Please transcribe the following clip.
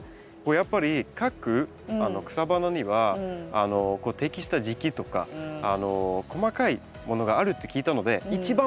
やっぱり各草花には適した時期とか細かいものがあるって聞いたので一番